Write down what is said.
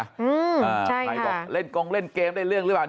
ใครบอกเล่นเกมร์ได้เรื่องรึเปล่า